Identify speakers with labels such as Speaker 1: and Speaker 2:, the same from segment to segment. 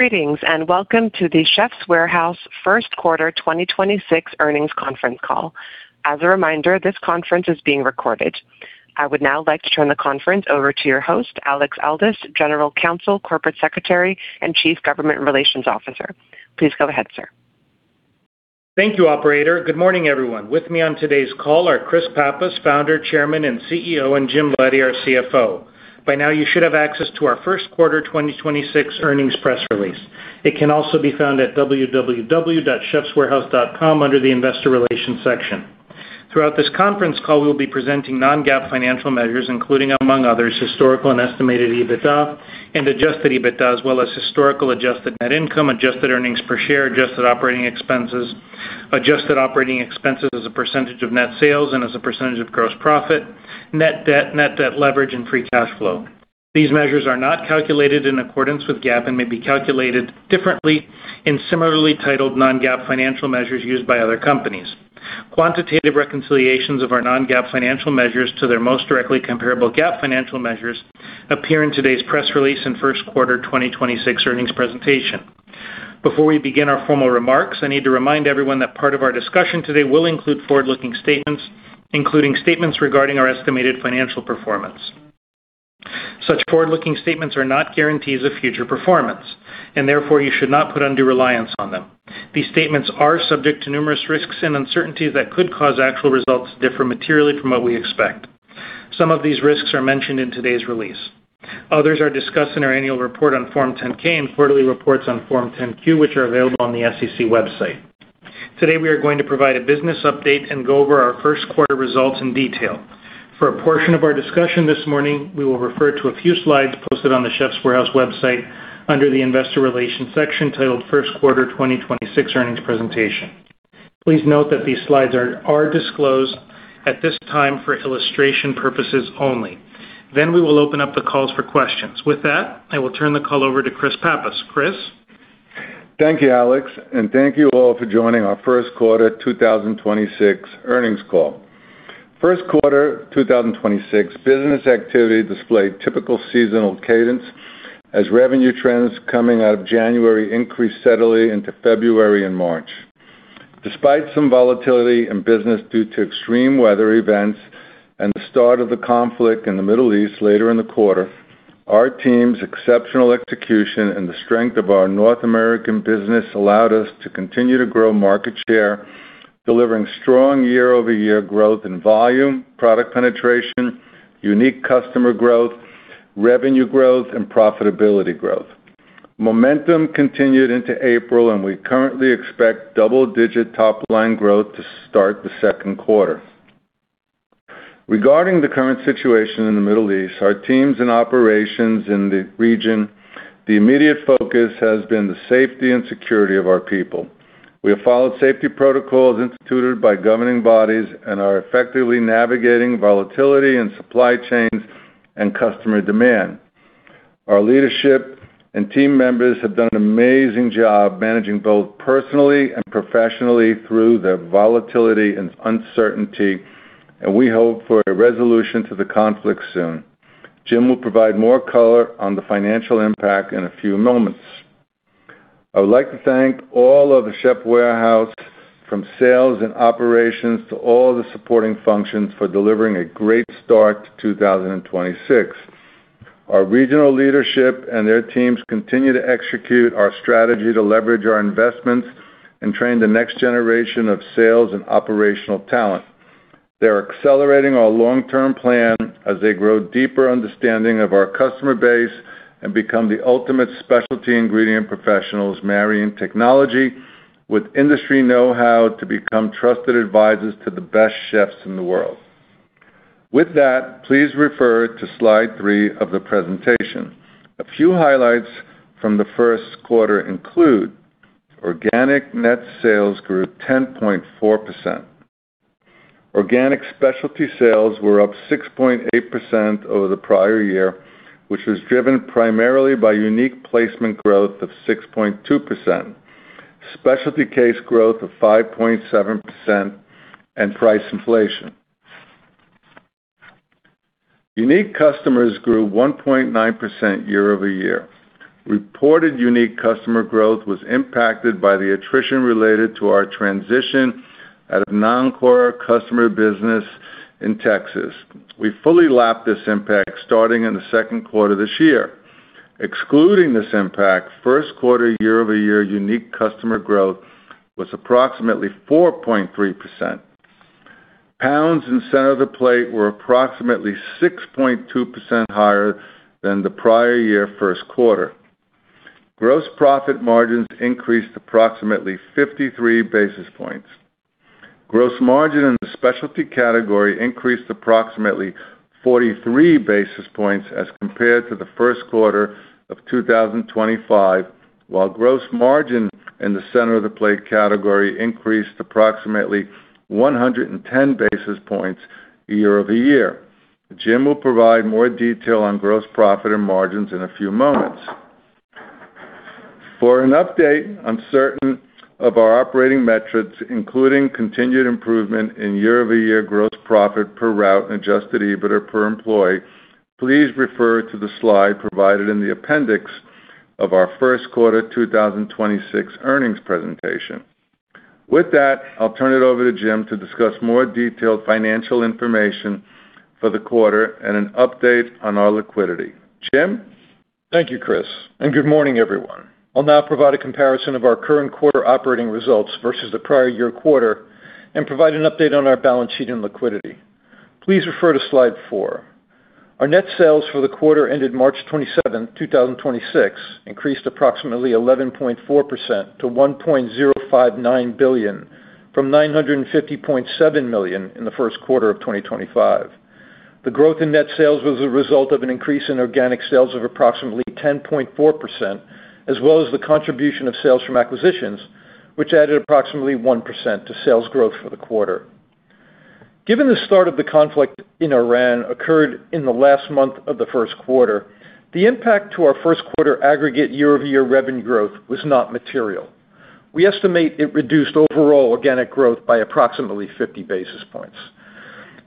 Speaker 1: Greetings. Welcome to The Chefs' Warehouse Q1 2026 Earnings Conference Call. As a reminder, this conference is being recorded. I would now like to turn the conference over to your host, Alex Aldous, General Counsel, Corporate Secretary, and Chief Government Relations Officer. Please go ahead, sir.
Speaker 2: Thank you, operator. Good morning, everyone. With me on today's call are Chris Pappas, Founder, Chairman, and CEO, and James Leddy, our CFO. By now, you should have access to our Q1 2026 earnings press release. It can also be found at www.chefswarehouse.com under the Investor Relations section. Throughout this conference call, we will be presenting non-GAAP financial measures, including among others, historical and estimated EBITDA and adjusted EBITDA, as well as historical adjusted net income, adjusted earnings per share, adjusted operating expenses, adjusted operating expenses as a percentage of net sales and as a percentage of gross profit, net debt, net debt leverage, and free cash flow. These measures are not calculated in accordance with GAAP and may be calculated differently in similarly titled non-GAAP financial measures used by other companies. Quantitative reconciliations of our non-GAAP financial measures to their most directly comparable GAAP financial measures appear in today's press release and Q1 2026 earnings presentation. Before we begin our formal remarks, I need to remind everyone that part of our discussion today will include forward-looking statements, including statements regarding our estimated financial performance. Such forward-looking statements are not guarantees of future performance, and therefore you should not put undue reliance on them. These statements are subject to numerous risks and uncertainties that could cause actual results to differ materially from what we expect. Some of these risks are mentioned in today's release. Others are discussed in our annual report on Form 10-K and quarterly reports on Form 10-Q, which are available on the SEC website. Today, we are going to provide a business update and go over our Q1 results in detail. For a portion of our discussion this morning, we will refer to a few slides posted on The Chefs' Warehouse website under the Investor Relations section titled Q1 2026 Earnings Presentation. Please note that these slides are disclosed at this time for illustration purposes only. We will open up the calls for questions. With that, I will turn the call over to Chris Pappas. Chris.
Speaker 3: Thank you, Alex Aldous, and thank you all for joining our 1st quarter 2026 earnings call. 1st quarter 2026 business activity displayed typical seasonal cadence as revenue trends coming out of January increased steadily into February and March. Despite some volatility in business due to extreme weather events and the start of the conflict in the Middle East later in the quarter, our team's exceptional execution and the strength of our North American business allowed us to continue to grow market share, delivering strong year-over-year growth in volume, product penetration, unique customer growth, revenue growth, and profitability growth. Momentum continued into April, and we currently expect double-digit top-line growth to start the Q2. Regarding the current situation in the Middle East, our teams and operations in the region, the immediate focus has been the safety and security of our people. We have followed safety protocols instituted by governing bodies and are effectively navigating volatility in supply chains and customer demand. Our leadership and team members have done an amazing job managing both personally and professionally through the volatility and uncertainty, and we hope for a resolution to the conflict soon. Jim will provide more color on the financial impact in a few moments. I would like to thank all of The Chefs' Warehouse from sales and operations to all the supporting functions for delivering a great start to 2026. Our regional leadership and their teams continue to execute our strategy to leverage our investments and train the next generation of sales and operational talent. They're accelerating our long-term plan as they grow deeper understanding of our customer base and become the ultimate specialty ingredient professionals marrying technology with industry know-how to become trusted advisors to the best chefs in the world. With that, please refer to slide three of the presentation. A few highlights from the Q1 include organic net sales grew 10.4%. Organic specialty sales were up 6.8% over the prior year, which was driven primarily by unique placement growth of 6.2%, specialty case growth of 5.7%, and price inflation. Unique customers grew 1.9% year-over-year. Reported unique customer growth was impacted by the attrition related to our transition out of non-core customer business in Texas. We fully lapped this impact starting in the Q2 this year. Excluding this impact, Q1 year-over-year unique customer growth was approximately 4.3%. Pounds in center of the plate were approximately 6.2% higher than the prior year Q1. Gross profit margins increased approximately 53 basis points. Gross margin in the specialty category increased approximately 43 basis points as compared to the Q1 of 2025, while gross margin in the center of the plate category increased approximately 110 basis points year-over-year. Jim will provide more detail on gross profit and margins in a few moments. For an update on certain of our operating metrics, including continued improvement in year-over-year gross profit per route and adjusted EBITDA per employee. Please refer to the slide provided in the appendix of our Q1 2026 earnings presentation. With that, I'll turn it over to Jim to discuss more detailed financial information for the quarter and an update on our liquidity. Jim?
Speaker 4: Thank you, Chris, and good morning, everyone. I'll now provide a comparison of our current quarter operating results versus the prior year quarter and provide an update on our balance sheet and liquidity. Please refer to slide 4. Our net sales for the quarter ended March 27, 2026, increased approximately 11.4% to $1.059 billion, from $950.7 million in the Q1 of 2025. The growth in net sales was a result of an increase in organic sales of approximately 10.4% as well as the contribution of sales from acquisitions, which added approximately 1% to sales growth for the quarter. Given the start of the conflict in Iran occurred in the last month of the Q1, the impact to our Q1 aggregate year-over-year revenue growth was not material. We estimate it reduced overall organic growth by approximately 50 basis points.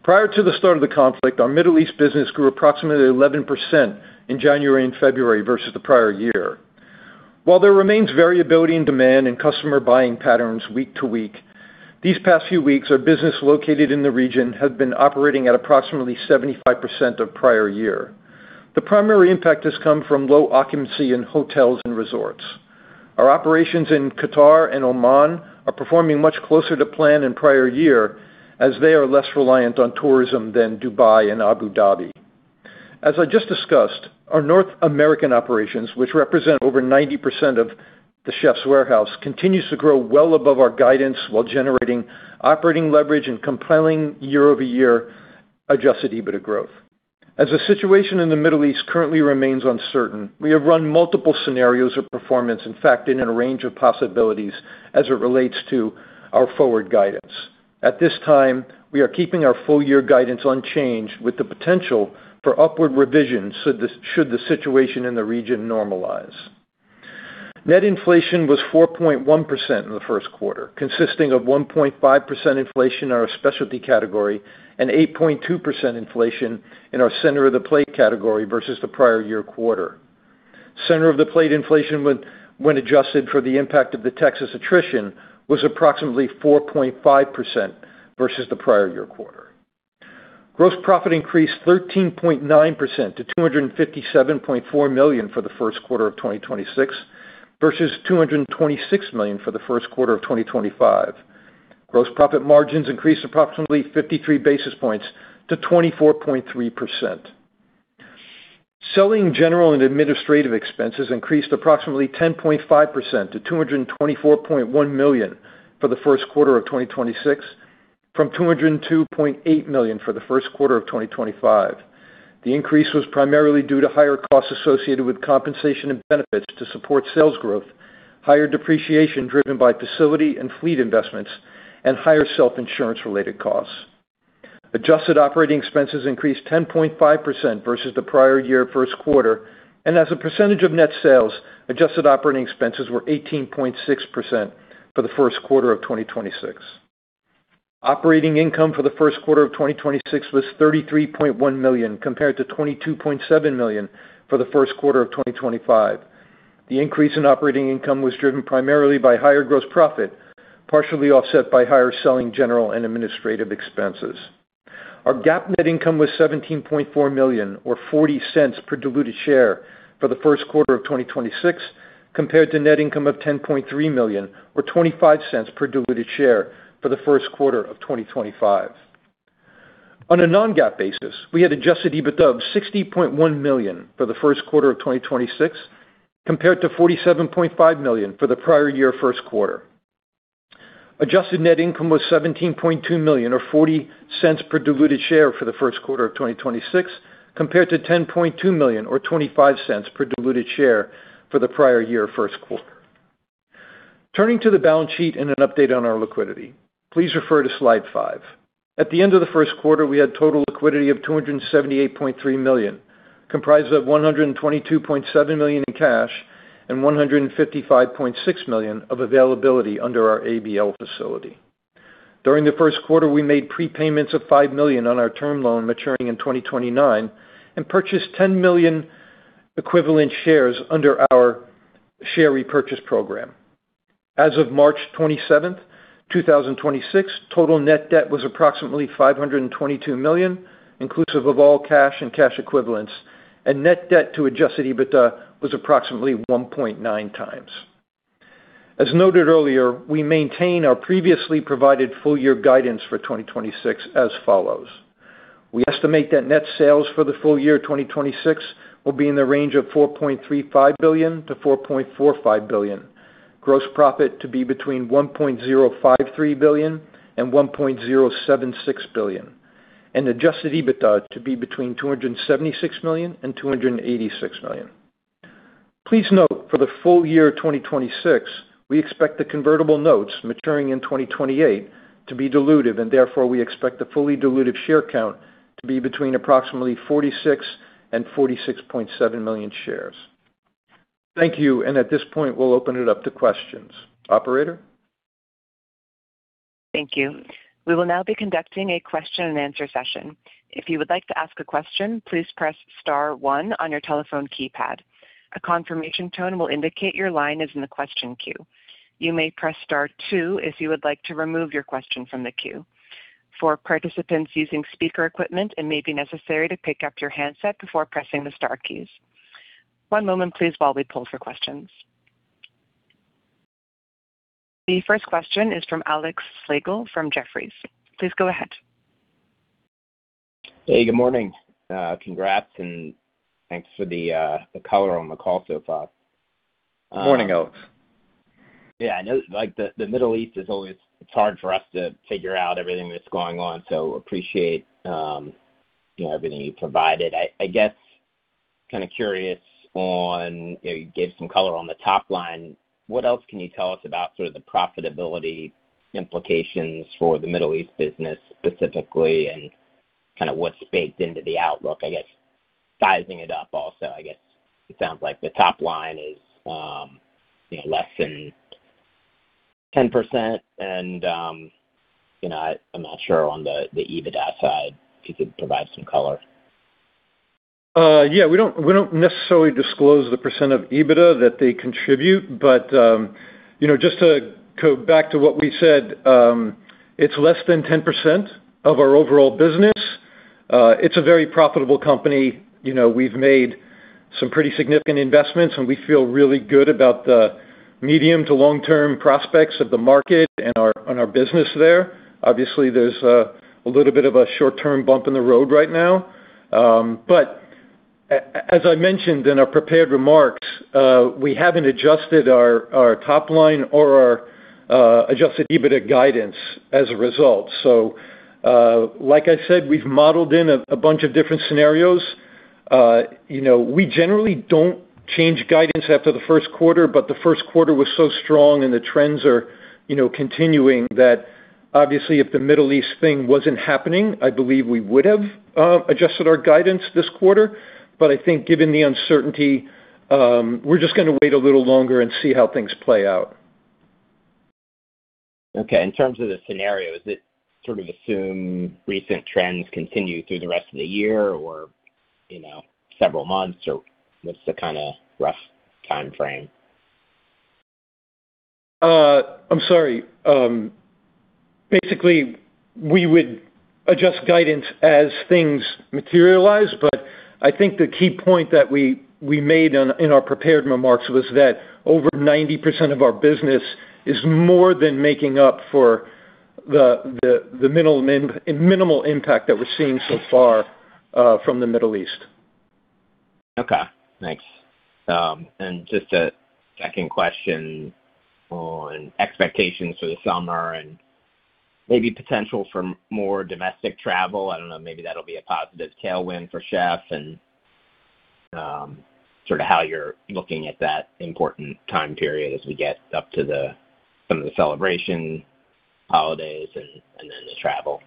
Speaker 4: Prior to the start of the conflict, our Middle East business grew approximately 11% in January and February versus the prior year. While there remains variability in demand and customer buying patterns week to week, these past few weeks, our business located in the region have been operating at approximately 75% of prior year. The primary impact has come from low occupancy in hotels and resorts. Our operations in Qatar and Oman are performing much closer to plan in prior year as they are less reliant on tourism than Dubai and Abu Dhabi. As I just discussed, our North American operations, which represent over 90% of The Chefs' Warehouse, continues to grow well above our guidance while generating operating leverage and compiling year-over-year adjusted EBITDA growth. As the situation in the Middle East currently remains uncertain, we have run multiple scenarios of performance, in fact, in a range of possibilities as it relates to our forward guidance. At this time, we are keeping our full year guidance unchanged with the potential for upward revisions should the situation in the region normalize. Net inflation was 4.1% in the Q1, consisting of 1.5% inflation in our specialty category and 8.2% inflation in our center of the plate category versus the prior year quarter. Center of the plate inflation when adjusted for the impact of the Texas attrition, was approximately 4.5% versus the prior year quarter. Gross profit increased 13.9% to $257.4 million for the Q1 of 2026 versus $226 million for the Q1 of 2025. Gross profit margins increased approximately 53 basis points to 24.3%. Selling general and administrative expenses increased approximately 10.5% to $224.1 million for the Q1 of 2026 from $202.8 million for the Q1 of 2025. The increase was primarily due to higher costs associated with compensation and benefits to support sales growth, higher depreciation driven by facility and fleet investments, and higher self-insurance related costs. Adjusted operating expenses increased 10.5% versus the prior year Q1, and as a percentage of net sales, adjusted operating expenses were 18.6% for the Q1 of 2026. Operating income for the Q1 of 2026 was $33.1 million compared to $22.7 million for the Q1 of 2025. The increase in operating income was driven primarily by higher gross profit, partially offset by higher selling general and administrative expenses. Our GAAP net income was $17.4 million or $0.40 per diluted share for the Q1 of 2026 compared to net income of $10.3 million or $0.25 per diluted share for the Q1 of 2025. On a non-GAAP basis, we had adjusted EBITDA of $60.1 million for the Q1 of 2026 compared to $47.5 million for the prior year Q1. Adjusted net income was $17.2 million or $0.40 per diluted share for the Q1 of 2026 compared to $10.2 million or $0.25 per diluted share for the prior year Q1. Turning to the balance sheet and an update on our liquidity. Please refer to slide 5. At the end of the Q1, we had total liquidity of $278.3 million, comprised of $122.7 million in cash and $155.6 million of availability under our ABL facility. During the Q1, we made prepayments of $5 million on our term loan maturing in 2029 and purchased $10 million equivalent shares under our share repurchase program. As of March 27th, 2026, total net debt was approximately $522 million, inclusive of all cash and cash equivalents, and net debt to adjusted EBITDA was approximately 1.9 times. As noted earlier, we maintain our previously provided full year guidance for 2026 as follows: We estimate that net sales for the full year 2026 will be in the range of $4.35 billion-$4.45 billion. Gross profit to be between $1.053 billion and $1.076 billion. Adjusted EBITDA to be between $276 million and $286 million. Please note for the full year 2026, we expect the convertible notes maturing in 2028 to be dilutive. Therefore, we expect the fully diluted share count to be between approximately 46 and 46.7 million shares. Thank you. At this point, we'll open it up to questions. Operator?
Speaker 1: Thank you. We will now be conducting a question and answer session. If you would like to ask a question, please press star one on your telephone keypad. A confirmation tone will indicate your line is in the question queue. You may press star two if you would like to remove your question from the queue. For participants using speaker equipment, it may be necessary to pick up your handset before pressing the star keys. One moment please while we pull for questions. The first question is from Alex Slagle from Jefferies. Please go ahead.
Speaker 5: Hey, good morning. Congrats and thanks for the color on the call so far.
Speaker 4: Morning, Alex.
Speaker 5: Yeah, I know, like, the Middle East, it's hard for us to figure out everything that's going on, so appreciate, you know, everything you provided. I guess, kind of curious, you know, you gave some color on the top line. What else can you tell us about sort of the profitability implications for the Middle East business specifically and kind of what's baked into the outlook? I guess sizing it up also, I guess it sounds like the top line is, you know, less than 10% and, you know, I'm not sure on the EBITDA side, if you could provide some color.
Speaker 4: Yeah, we don't, we don't necessarily disclose the percent of EBITDA that they contribute, but, you know, just to go back to what we said, it's less than 10% of our overall business. It's a very profitable company. You know, we've made some pretty significant investments, and we feel really good about the medium to long-term prospects of the market and our, and our business there. Obviously, there's a little bit of a short-term bump in the road right now. But as I mentioned in our prepared remarks, we haven't adjusted our top line or our adjusted EBITDA guidance as a result. Like I said, we've modeled in a bunch of different scenarios. You know, we generally don't change guidance after the Q1. The Q1 was so strong and the trends are, you know, continuing that obviously if the Middle East thing wasn't happening, I believe we would have adjusted our guidance this quarter. I think given the uncertainty, we're just gonna wait a little longer and see how things play out.
Speaker 5: Okay. In terms of the scenario, is it sort of assume recent trends continue through the rest of the year or, you know, several months, or what's the kinda rough timeframe?
Speaker 4: I'm sorry. Basically, we would adjust guidance as things materialize, but I think the key point that we made in our prepared remarks was that over 90% of our business is more than making up for the minimal impact that we're seeing so far, from the Middle East.
Speaker 5: Okay, thanks. Just a second question on expectations for the summer and maybe potential for more domestic travel. I don't know, maybe that'll be a positive tailwind for Chef and sort of how you're looking at that important time period as we get up to the, some of the celebration holidays and then the travel?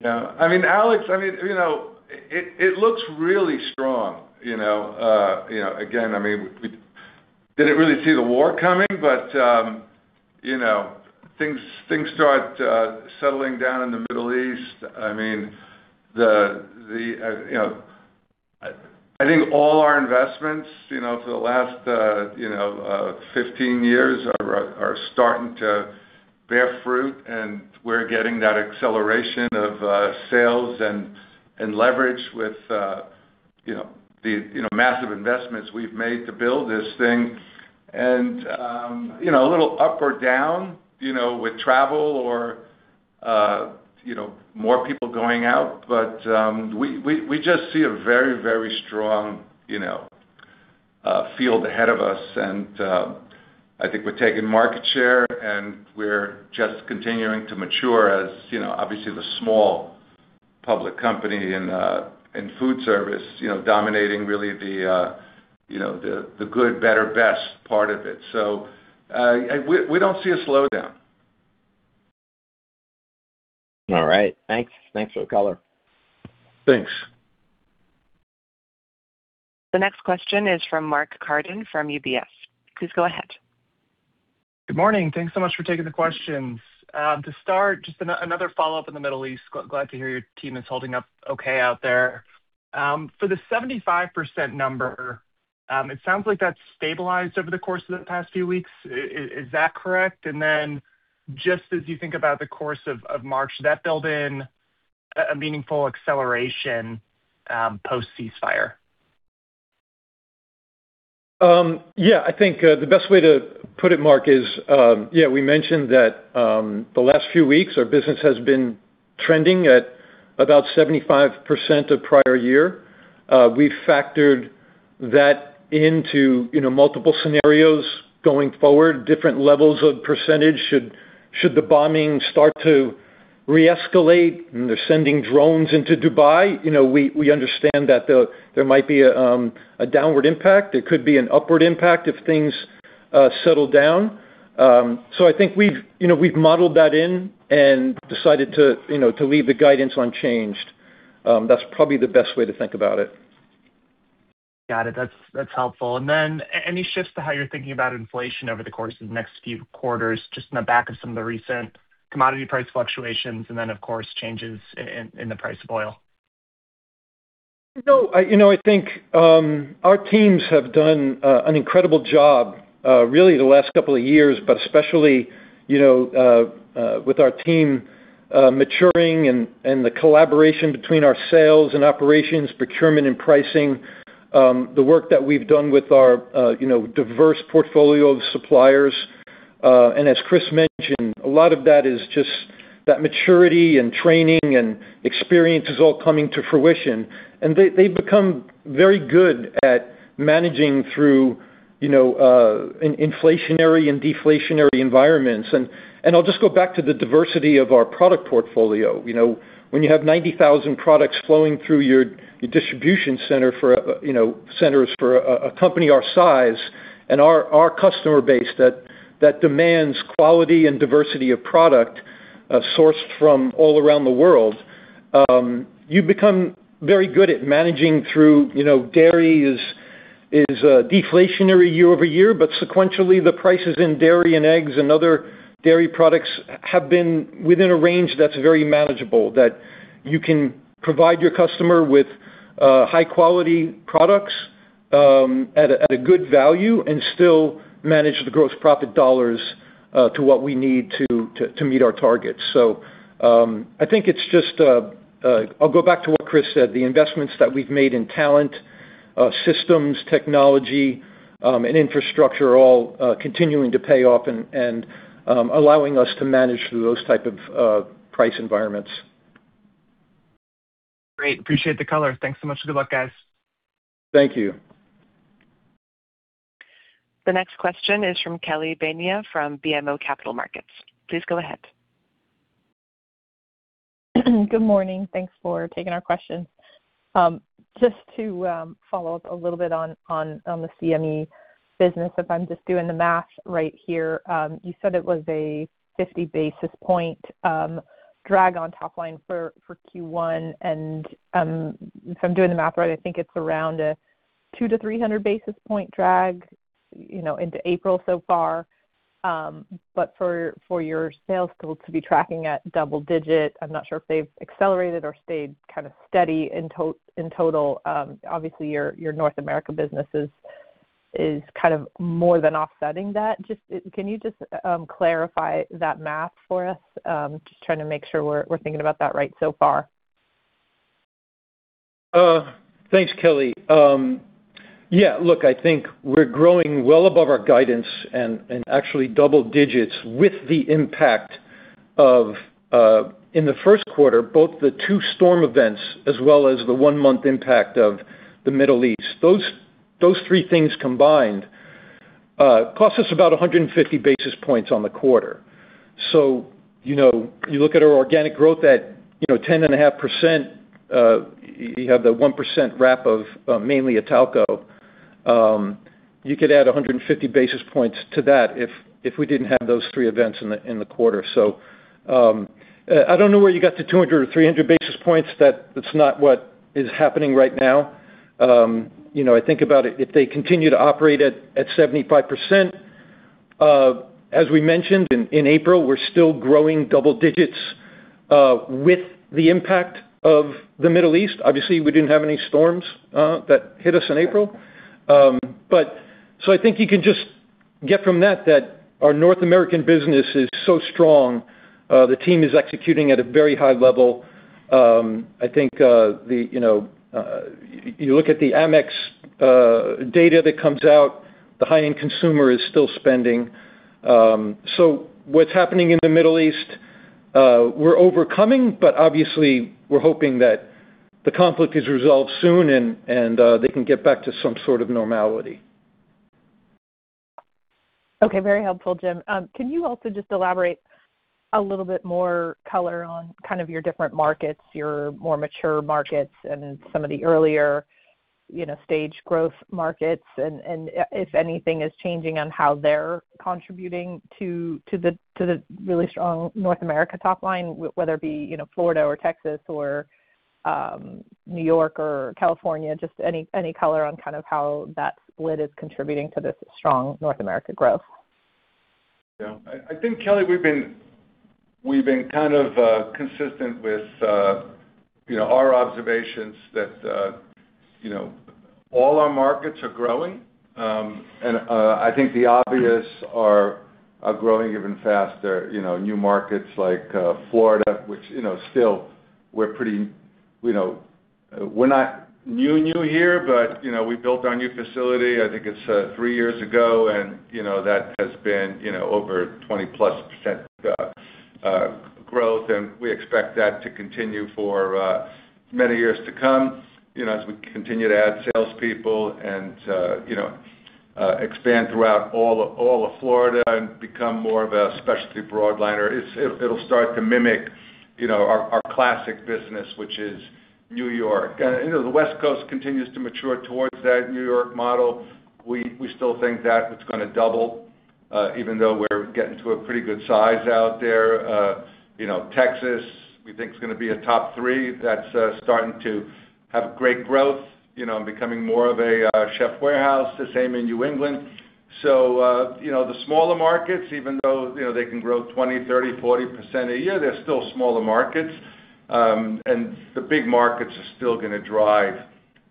Speaker 3: Yeah. I mean, Alex, I mean, you know, it looks really strong, you know. You know, again, I mean, we didn't really see the war coming, but, you know, things start settling down in the Middle East. I mean, the, you know, I think all our investments, you know, for the last, you know, 15 years are starting to bear fruit, and we're getting that acceleration of sales and leverage with, you know, the massive investments we've made to build this thing. You know, a little up or down, you know, with travel or, you know, more people going out. We just see a very strong, you know, field ahead of us. I think we're taking market share, and we're just continuing to mature as, you know, obviously the small public company in food service, you know, dominating really the good, better, best part of it. We don't see a slowdown.
Speaker 5: All right. Thanks. Thanks for the color.
Speaker 3: Thanks.
Speaker 1: The next question is from Mark Carden from UBS. Please go ahead.
Speaker 6: Good morning. Thanks so much for taking the questions. To start, just another follow-up in the Middle East. Glad to hear your team is holding up okay out there. For the 75% number, it sounds like that's stabilized over the course of the past few weeks. Is that correct? Just as you think about the course of March, does that build in a meaningful acceleration post-ceasefire?
Speaker 4: Yeah. I think the best way to put it, Mark, is, yeah, we mentioned that the last few weeks our business has been trending at about 75% of prior year. We factored that into, you know, multiple scenarios going forward, different levels of percentage should the bombing start to re-escalate, and they're sending drones into Dubai. You know, we understand that there might be a downward impact. There could be an upward impact if things settle down. I think we've, you know, we've modeled that in and decided to, you know, to leave the guidance unchanged. That's probably the best way to think about it.
Speaker 6: Got it. That's helpful. Any shifts to how you're thinking about inflation over the course of the next few quarters, just on the back of some of the recent commodity price fluctuations, and then of course, changes in the price of oil?
Speaker 4: You know, I think, our teams have done an incredible job, really the last couple of years, but especially, you know, with our team maturing and the collaboration between our sales and operations, procurement and pricing. The work that we've done with our, you know, diverse portfolio of suppliers. As Chris mentioned, a lot of that is just that maturity and training and experience is all coming to fruition. They've become very good at managing through, you know, in-inflationary and deflationary environments. I'll just go back to the diversity of our product portfolio. You know, when you have 90,000 products flowing through your distribution center for, you know, centers for a company our size and our customer base that demands quality and diversity of product, sourced from all around the world, you become very good at managing through, you know, dairy is deflationary year-over-year, but sequentially, the prices in dairy and eggs and other dairy products have been within a range that's very manageable, that you can provide your customer with high-quality products at a good value and still manage the gross profit dollars to what we need to meet our targets. I think it's just, I'll go back to what Chris said. The investments that we've made in talent, systems, technology, and infrastructure are all continuing to pay off and allowing us to manage through those type of price environments.
Speaker 6: Great. Appreciate the color. Thanks so much. Good luck, guys.
Speaker 4: Thank you.
Speaker 1: The next question is from Kelly Bania from BMO Capital Markets. Please go ahead.
Speaker 7: Good morning. Thanks for taking our questions. Just to follow up a little bit on the CME business. If I'm just doing the math right here, you said it was a 50 basis point drag on top line for Q1, and if I'm doing the math right, I think it's around a 200-300 basis point drag, you know, into April so far. For your sales team to be tracking at double-digit, I'm not sure if they've accelerated or stayed kind of steady in total. Obviously, your North America business is kind of more than offsetting that. Just can you just clarify that math for us? Just trying to make sure we're thinking about that right so far.
Speaker 4: Thanks, Kelly. Yeah, look, I think we're growing well above our guidance and actually double digits with the impact of in the Q1, both the two storm events as well as the one-month impact of the Middle East. Those, those three things combined, cost us about 150 basis points on the quarter. You know, you look at our organic growth at, you know, 10.5%, you have the 1% wrap of, mainly Italco, you could add 150 basis points to that if we didn't have those three events in the quarter. I don't know where you got the 200 or 300 basis points. That's not what is happening right now. You know, I think about it, if they continue to operate at 75%, as we mentioned, in April, we're still growing double digits with the impact of the Middle East. Obviously, we didn't have any storms that hit us in April. I think you can just get from that our North American business is so strong. The team is executing at a very high level. I think, the, you know, you look at the Amex data that comes out, the high-end consumer is still spending. What's happening in the Middle East, we're overcoming, but obviously we're hoping that the conflict is resolved soon and they can get back to some sort of normality.
Speaker 7: Okay. Very helpful, Jim. Can you also just elaborate a little bit more color on kind of your different markets, your more mature markets, and then some of the earlier, you know, stage growth markets, and if anything is changing on how they're contributing to the really strong North America top line, whether it be, you know, Florida or Texas or New York or California, just any color on kind of how that split is contributing to this strong North America growth?
Speaker 3: Yeah. I think, Kelly, we've been kind of consistent with, you know, our observations that, you know, all our markets are growing. I think the obvious are growing even faster, you know, new markets like Florida, which, you know, still we're pretty new here, but, you know, we built our new facility, I think it's three years ago, and, you know, that has been, you know, over 20%+ growth, and we expect that to continue for many years to come. You know, as we continue to add salespeople and, you know, expand throughout all of Florida and become more of a specialty broadliner. It'll start to mimic, you know, our classic business, which is New York. You know, the West Coast continues to mature towards that New York model. We still think that it's gonna double Even though we're getting to a pretty good size out there, you know, Texas, we think is gonna be a top three. That's starting to have great growth, you know, and becoming more of a Chefs' Warehouse. The same in New England. The smaller markets, even though, you know, they can grow 20%, 30%, 40% a year, they're still smaller markets. The big markets are still gonna drive,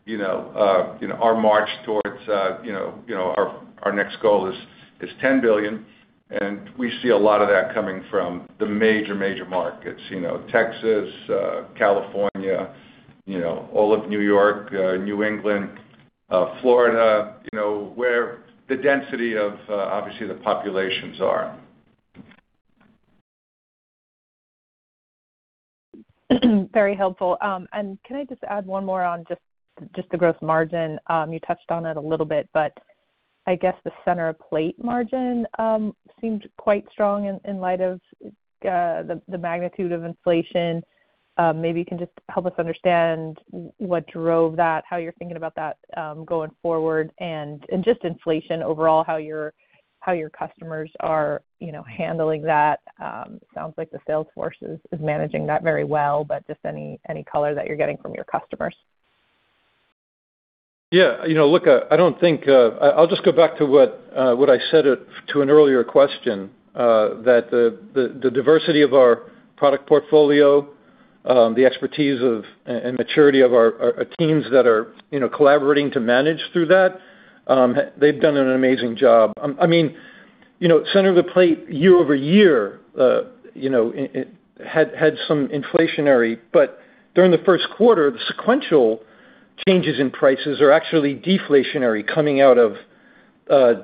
Speaker 3: you know, our march towards, you know, our next goal is $10 billion. We see a lot of that coming from the major markets. You know, Texas, California, you know, all of New York, New England, Florida, you know, where the density of, obviously, the populations are.
Speaker 7: Very helpful. Can I just add one more on just the gross margin? You touched on it a little bit, but I guess the center of the plate margin seemed quite strong in light of the magnitude of inflation. Maybe you can just help us understand what drove that, how you're thinking about that going forward. Just inflation overall, how your customers are, you know, handling that. Sounds like the sales force is managing that very well, but just any color that you're getting from your customers.
Speaker 4: Yeah, you know, look, I don't think I'll just go back to what I said to an earlier question. That the diversity of our product portfolio, the expertise of and maturity of our teams that are, you know, collaborating to manage through that, they've done an amazing job. I mean, you know, center of the plate year-over-year, you know, it had some inflationary. During the Q1, the sequential changes in prices are actually deflationary coming out of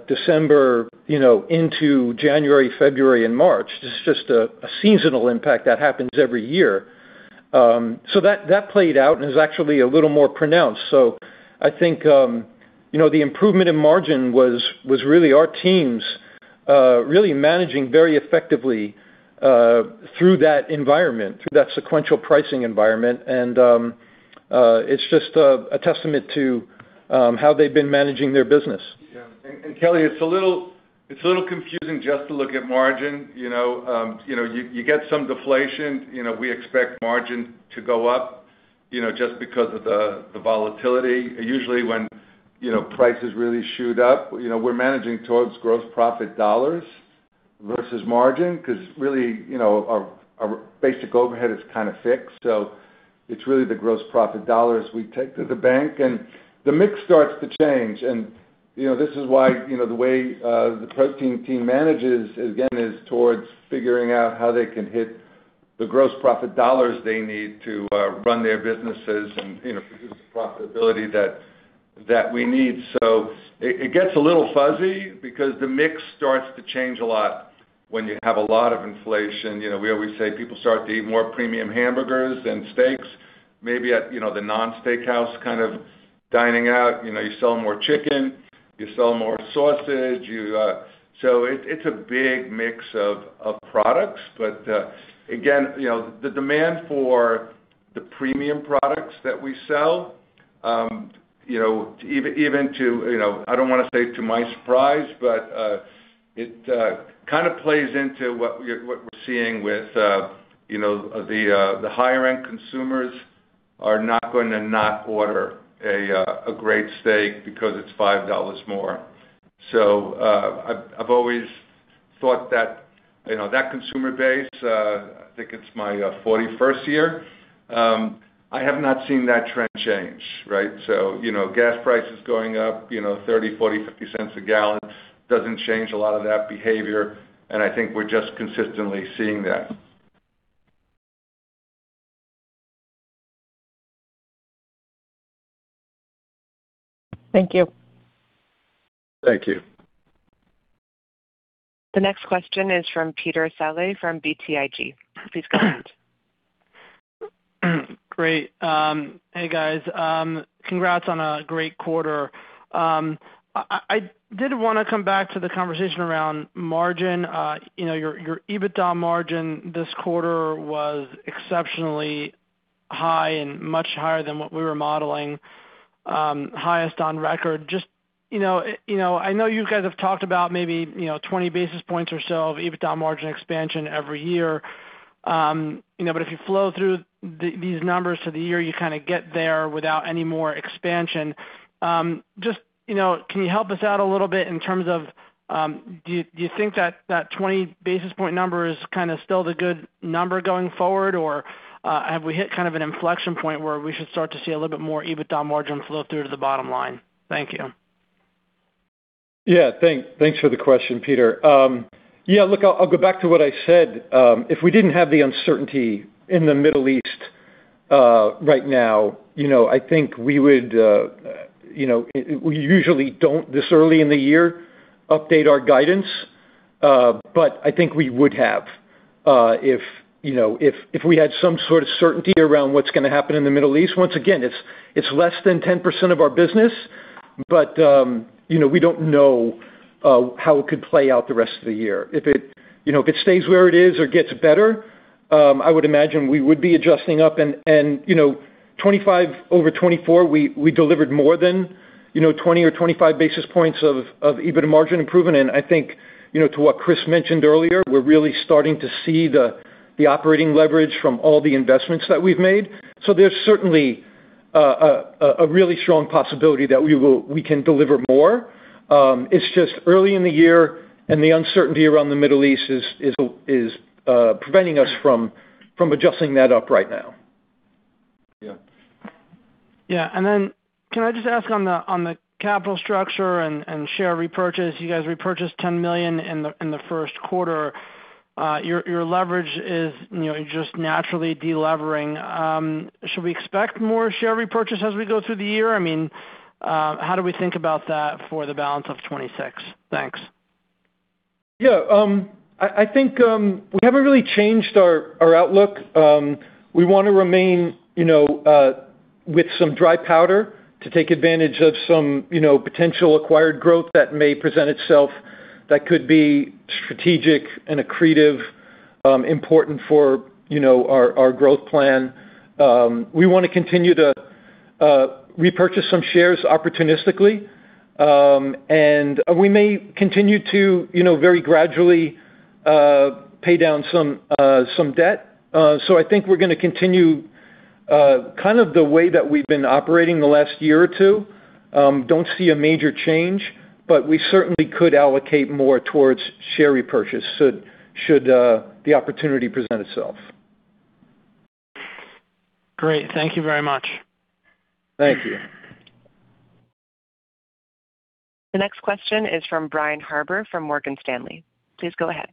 Speaker 4: December, you know, into January, February, and March. This is just a seasonal impact that happens every year. That played out and is actually a little more pronounced. I think, you know, the improvement in margin was really our teams, really managing very effectively, through that environment, through that sequential pricing environment. It's just a testament to, how they've been managing their business.
Speaker 3: Yeah. Kelly, it's a little confusing just to look at margin, you know. You know, you get some deflation, you know, we expect margin to go up, you know, just because of the volatility. Usually, when, you know, prices really shoot up, you know, we're managing towards gross profit dollars versus margin. Because really, you know, our basic overhead is kind of fixed, so it's really the gross profit dollars we take to the bank. The mix starts to change. You know, this is why, you know, the way the protein team manages, again, is towards figuring out how they can hit the gross profit dollars they need to run their businesses and, you know, produce the profitability that we need. It gets a little fuzzy because the mix starts to change a lot when you have a lot of inflation. You know, we always say people start to eat more premium hamburgers than steaks, maybe at, you know, the non-steakhouse kind of dining out. You know, you sell more chicken, you sell more sausage. It's a big mix of products. Again, you know, the demand for the premium products that we sell, you know, even to, you know, I don't wanna say to my surprise, but it kind of plays into what we're seeing with, you know, the higher end consumers are not gonna not order a great steak because it's $5 more. I've always thought that, you know, that consumer base, I think it's my 41st year, I have not seen that trend change, right? You know, gas prices going up, you know, $0.30, $0.40, $0.50 a gallon doesn't change a lot of that behavior, and I think we're just consistently seeing that.
Speaker 7: Thank you.
Speaker 3: Thank you.
Speaker 1: The next question is from Peter Saleh from BTIG. Please go ahead.
Speaker 8: Great. Hey, guys. Congrats on a great quarter. I did want to come back to the conversation around margin. You know, your EBITDA margin this quarter was exceptionally high and much higher than what we were modeling, highest on record. You know, I know you guys have talked about maybe, you know, 20 basis points or so of EBITDA margin expansion every year. You know, if you flow through these numbers for the year, you kind of get there without any more expansion. You know, can you help us out a little bit in terms of, do you think that that 20 basis point number is kind of still the good number going forward? Have we hit kind of an inflection point where we should start to see a little bit more EBITDA margin flow through to the bottom line? Thank you.
Speaker 4: Yeah. Thanks for the question, Peter Saleh. Yeah, look, I'll go back to what I said. If we didn't have the uncertainty in the Middle East right now, you know, I think we would, you know, we usually don't, this early in the year, update our guidance. I think we would have, if, you know, if we had some sort of certainty around what's gonna happen in the Middle East. Once again, it's less than 10% of our business, you know, we don't know how it could play out the rest of the year. If it, you know, if it stays where it is or gets better, I would imagine we would be adjusting up. You know, 25 over 24, we delivered more than, you know, 20 or 25 basis points of EBITDA margin improvement. I think, you know, to what Chris mentioned earlier, we're really starting to see the operating leverage from all the investments that we've made. There's certainly a really strong possibility that we can deliver more. It's just early in the year, and the uncertainty around the Middle East is preventing us from adjusting that up right now.
Speaker 3: Yeah.
Speaker 8: Yeah. Can I just ask on the capital structure and share repurchase. You guys repurchased $10 million in the Q1. Your leverage is, you know, just naturally de-levering. Should we expect more share repurchase as we go through the year? I mean, how do we think about that for the balance of 2026? Thanks.
Speaker 4: I think we haven't really changed our outlook. We wanna remain, you know, with some dry powder to take advantage of some, you know, potential acquired growth that may present itself that could be strategic and accretive, important for, you know, our growth plan. We wanna continue to repurchase some shares opportunistically. And we may continue to, you know, very gradually pay down some some debt. I think we're gonna continue kind of the way that we've been operating the last year or two. Don't see a major change, but we certainly could allocate more towards share repurchase should the opportunity present itself.
Speaker 8: Great. Thank you very much.
Speaker 4: Thank you.
Speaker 1: The next question is from Brian Harbour from Morgan Stanley. Please go ahead.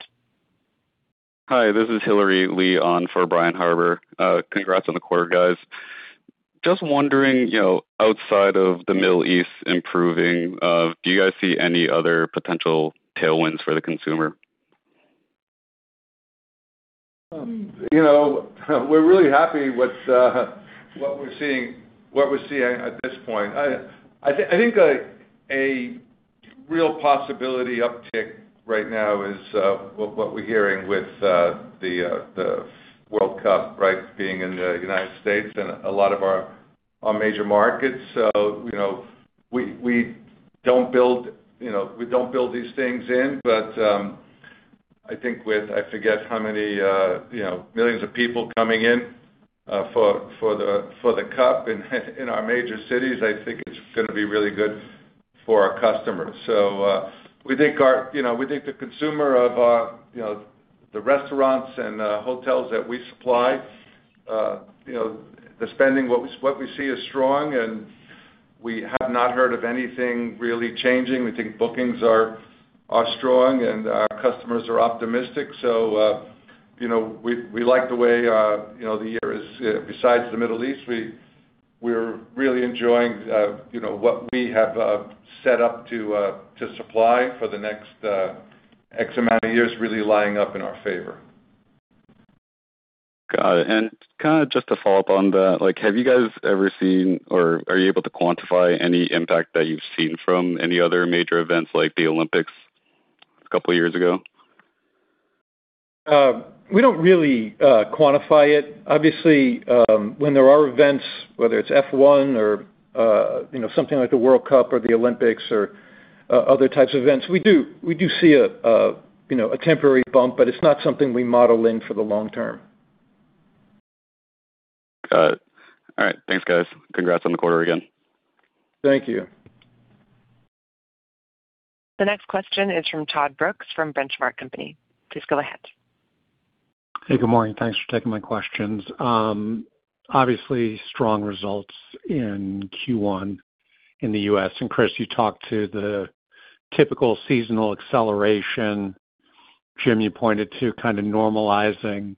Speaker 9: Hi, this is Hilary Lee on for Brian Harbour. Congrats on the quarter, guys. Just wondering, you know, outside of the Middle East improving, do you guys see any other potential tailwinds for the consumer?
Speaker 3: You know, we're really happy with what we're seeing at this point. I think, like, a real possibility uptick right now is what we're hearing with the World Cup, right, being in the United States and a lot of our major markets. You know, we don't build, you know, we don't build these things in, but I think with, I forget how many, you know, millions of people coming in for the cup in our major cities, I think it's gonna be really good for our customers. You know, we think the consumer of, you know, the restaurants and hotels that we supply, you know, the spending what we, what we see is strong, and we have not heard of anything really changing. We think bookings are strong, and our customers are optimistic. You know, we like the way, you know, the year is, besides the Middle East, we're really enjoying, you know, what we have set up to supply for the next X amount of years really lining up in our favor.
Speaker 9: Got it. Kinda just to follow up on that, like, have you guys ever seen or are you able to quantify any impact that you've seen from any other major events like the Olympics a couple years ago?
Speaker 4: We don't really quantify it. Obviously, when there are events, whether it's F1 or, you know, something like the World Cup or the Olympics or other types of events, we do see a, you know, a temporary bump, but it's not something we model in for the long term.
Speaker 9: Got it. All right. Thanks, guys. Congrats on the quarter again.
Speaker 3: Thank you.
Speaker 1: The next question is from Todd Brooks from The Benchmark Company. Please go ahead.
Speaker 10: Hey, good morning. Thanks for taking my questions. Obviously strong results in Q1 in the U.S. Chris, you talked to the typical seasonal acceleration. Jim, you pointed to kind of normalizing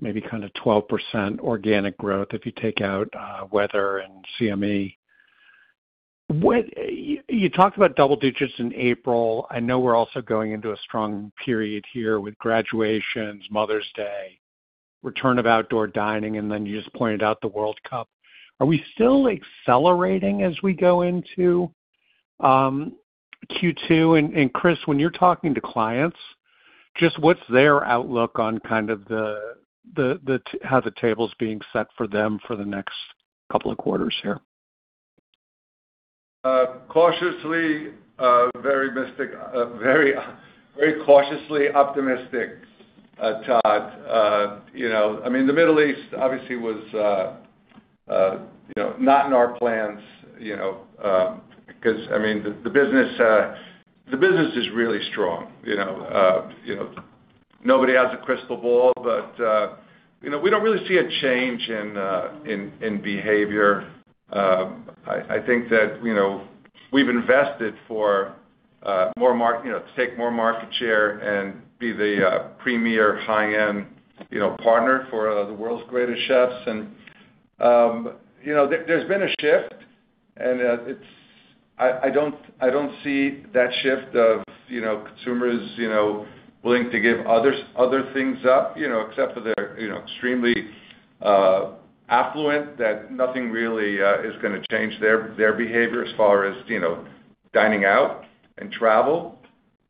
Speaker 10: maybe kind of 12% organic growth if you take out weather and CME. You talked about double digits in April. I know we're also going into a strong period here with graduations, Mother's Day, return of outdoor dining, then you just pointed out the World Cup. Are we still accelerating as we go into Q2? Chris, when you're talking to clients, just what's their outlook on kind of the how the table's being set for them for the next couple of quarters here?
Speaker 3: Cautiously, very cautiously optimistic, Todd. You know, I mean, the Middle East obviously was, you know, not in our plans, you know, because I mean, the business is really strong, you know. You know, nobody has a crystal ball, but, you know, we don't really see a change in behavior. I think that, you know, we've invested for more market share and be the premier high-end, you know, partner for the world's greatest chefs. You know, there's been a shift, and I don't see that shift of, you know, consumers, you know, willing to give others other things up, you know, except for their, you know, extremely affluent, that nothing really is gonna change their behavior as far as, you know, dining out and travel.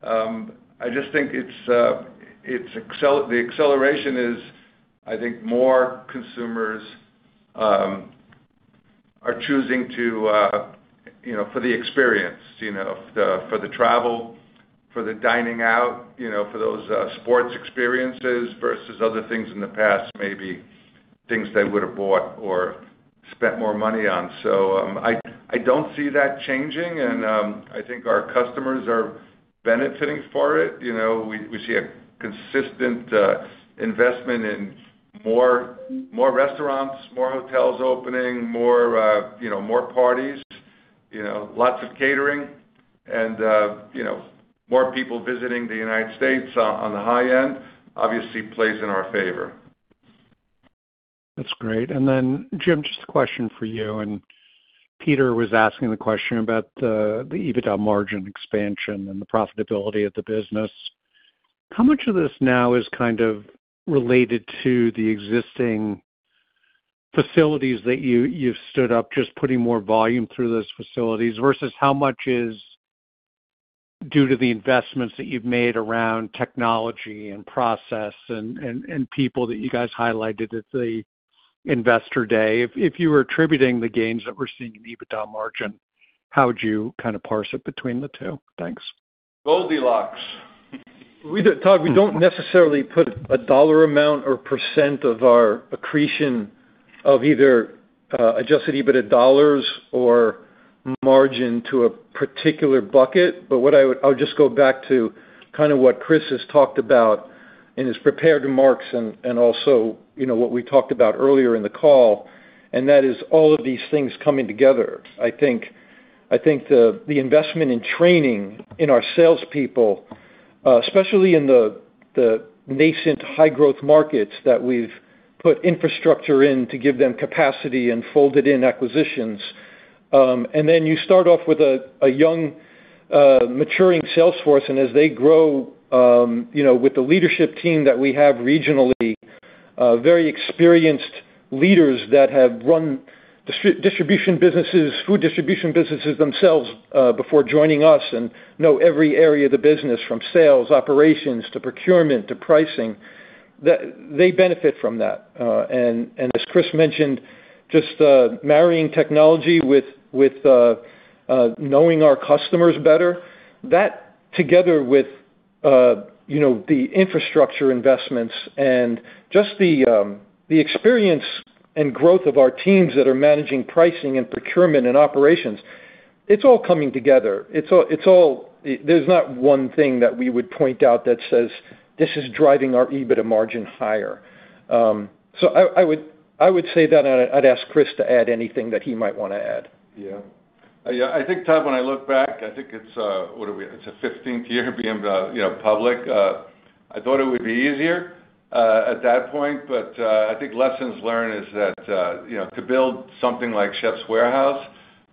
Speaker 3: I just think the acceleration is, I think more consumers are choosing to, you know, for the experience, you know, the, for the travel, for the dining out, you know, for those sports experiences versus other things in the past, maybe things they would have bought or spent more money on. I don't see that changing and I think our customers are benefiting for it. You know, we see a consistent investment in more restaurants, more hotels opening, more, you know, more parties, you know, lots of catering and, you know, more people visiting the U.S. on the high end obviously plays in our favor.
Speaker 10: That's great. Jim, just a question for you. Peter was asking the question about the EBITDA margin expansion and the profitability of the business. How much of this now is kind of related to the existing facilities that you've stood up just putting more volume through those facilities, versus how much is due to the investments that you've made around technology and process and people that you guys highlighted at the investor day? If you were attributing the gains that we're seeing in EBITDA margin, how would you kind of parse it between the two? Thanks.
Speaker 3: Goldilocks.
Speaker 4: We don't, Todd, we don't necessarily put a dollar amount or % of our accretion of either adjusted EBITDA dollars or margin to a particular bucket. What I would just go back to kind of what Chris has talked about in his prepared remarks and also, you know, what we talked about earlier in the call, and that is all of these things coming together. I think the investment in training in our salespeople, especially in the nascent high growth markets that we've put infrastructure in to give them capacity and folded in acquisitions. Then you start off with a young, maturing sales force. As they grow, you know, with the leadership team that we have regionally, very experienced leaders that have run distribution businesses, food distribution businesses themselves, before joining us and know every area of the business from sales, operations, to procurement, to pricing, they benefit from that. As Chris mentioned, just marrying technology with knowing our customers better. That together with, you know, the infrastructure investments and just the experience and growth of our teams that are managing pricing and procurement and operations, it's all coming together. There's not one thing that we would point out that says, "This is driving our EBITDA margin higher." I would say that, and I'd ask Chris to add anything that he might wanna add.
Speaker 3: Yeah. I think, Todd, when I look back, I think it's, what are we? It's a 15th year being, you know, public. I thought it would be easier at that point, but I think lessons learned is that, you know, to build something like The Chefs' Warehouse,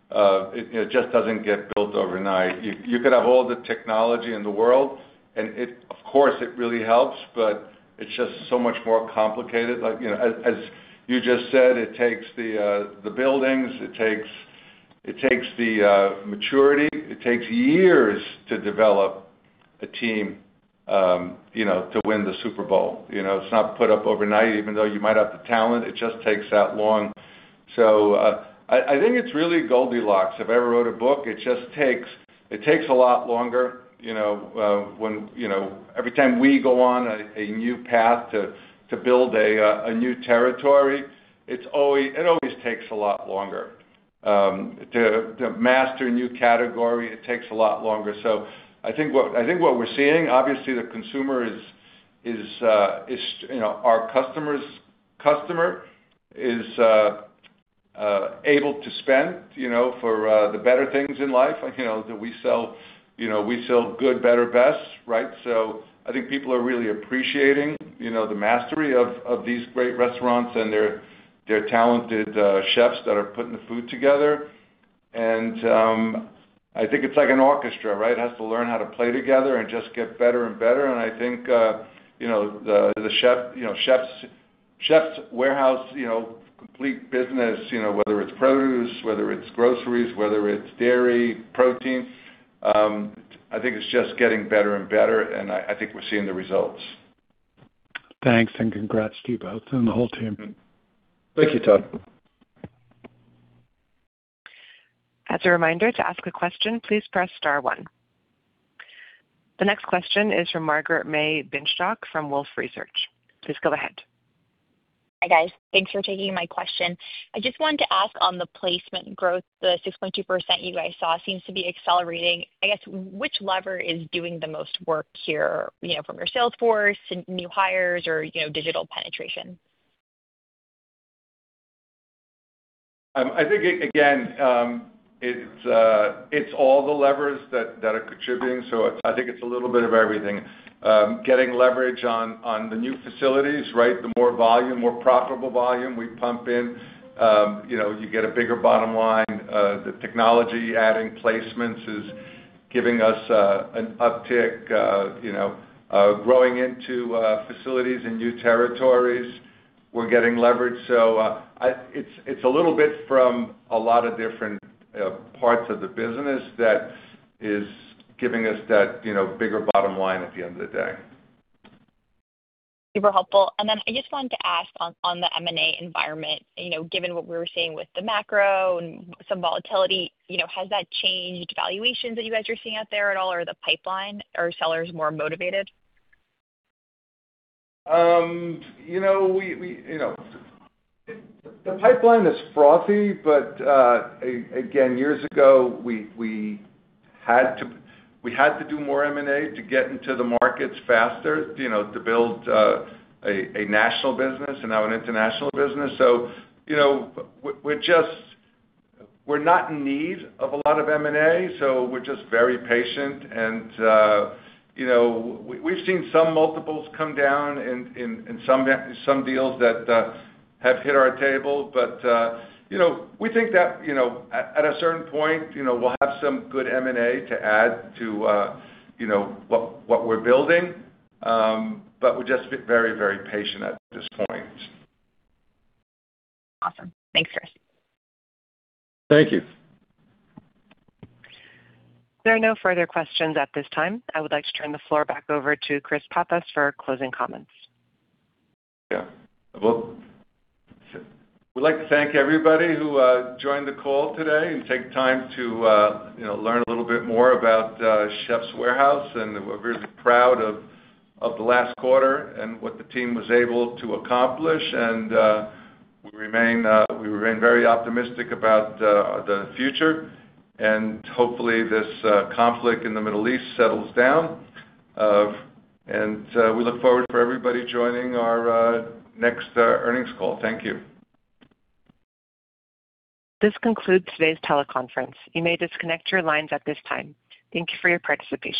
Speaker 3: it, you know, just doesn't get built overnight. You, you could have all the technology in the world, and it, of course, it really helps, but it's just so much more complicated. Like, you know, as you just said, it takes the buildings, it takes the maturity. It takes years to develop a team, you know, to win the Super Bowl. You know, it's not put up overnight. Even though you might have the talent, it just takes that long. I think it's really Goldilocks. If I ever wrote a book, it just takes a lot longer, you know, when, you know, every time we go on a new path to build a new territory, it always takes a lot longer. To master a new category, it takes a lot longer. I think what we're seeing, obviously the consumer is, you know, our customer's customer is able to spend, you know, for the better things in life, you know, that we sell. You know, we sell good, better, best, right? I think people are really appreciating, you know, the mastery of these great restaurants and their talented chefs that are putting the food together. I think it's like an orchestra, right? It has to learn how to play together and just get better and better. I think, you know, the chef, you know, The Chefs' Warehouse, you know, complete business, you know, whether it's produce, whether it's groceries, whether it's dairy, protein, I think it's just getting better and better, and I think we're seeing the results.
Speaker 10: Thanks, congrats to you both and the whole team.
Speaker 3: Thank you, Todd.
Speaker 1: As a reminder, to ask a question, please press star one. The next question is from Margaret-May Binshtok from Wolfe Research. Please go ahead.
Speaker 11: Hi, guys. Thanks for taking my question. I just wanted to ask on the placement growth, the 6.2% you guys saw seems to be accelerating. I guess, which lever is doing the most work here, you know, from your sales force to new hires or, you know, digital penetration?
Speaker 3: I think again, it's all the levers that are contributing. I think it's a little bit of everything. Getting leverage on the new facilities, right? The more volume, more profitable volume we pump in, you know, you get a bigger bottom line. The technology adding placements is giving us an uptick, you know, growing into facilities in new territories. We're getting leverage. It's a little bit from a lot of different parts of the business that is giving us that, you know, bigger bottom line at the end of the day.
Speaker 11: Super helpful. I just wanted to ask on the M&A environment, you know, given what we were seeing with the macro and some volatility, you know, has that changed valuations that you guys are seeing out there at all, or the pipeline or sellers more motivated?
Speaker 3: You know, we, you know. The pipeline is frothy, but again, years ago, we had to do more M&A to get into the markets faster, you know, to build a national business and now an international business. You know, we're not in need of a lot of M&A, so we're just very patient and, you know, we've seen some multiples come down in some deals that have hit our table. You know, we think that, you know, at a certain point, you know, we'll have some good M&A to add to, you know, what we're building. We're just very, very patient at this point.
Speaker 11: Awesome. Thanks, Chris.
Speaker 3: Thank you.
Speaker 1: There are no further questions at this time. I would like to turn the floor back over to Christopher Pappas for closing comments.
Speaker 3: Yeah. Well, we'd like to thank everybody who joined the call today and take time to, you know, learn a little bit more about The Chefs' Warehouse, and we're really proud of the last quarter and what the team was able to accomplish. We remain very optimistic about the future, and hopefully, this conflict in the Middle East settles down. We look forward for everybody joining our next earnings call. Thank you.
Speaker 1: This concludes today's teleconference. You may disconnect your lines at this time. Thank you for your participation.